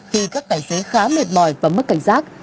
khi các tài xế khá mệt mỏi và mất cảnh giác